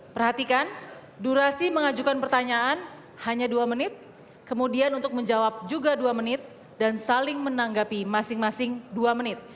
perhatikan durasi mengajukan pertanyaan hanya dua menit kemudian untuk menjawab juga dua menit dan saling menanggapi masing masing dua menit